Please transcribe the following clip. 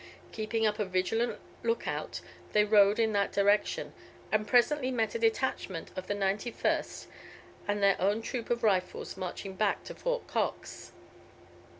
Keeping up a vigilant look out, they rode in that direction, and presently met a detachment of the 91st and their own troop of the Rifles marching back to Fort Cox.